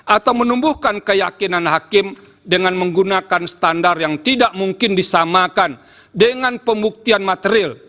atau menumbuhkan keyakinan hakim dengan menggunakan standar yang tidak mungkin disamakan dengan pembuktian material